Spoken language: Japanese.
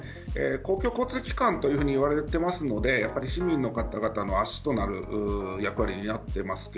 公共交通機関というふうに言われているので市民の方々の足となる役割を担っています。